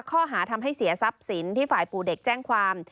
ข้อหาทำให้เสียทรัพย์สินที่ฝ่ายปู่เด็กแจ้งความ